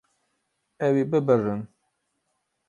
Ew ê bibirin.